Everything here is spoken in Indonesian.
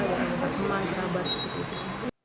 dari pak man kera baris gitu gitu